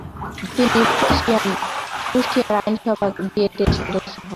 তিনি প্রুশিয়ার আইনসভা ডিয়েটের সদস্য হন।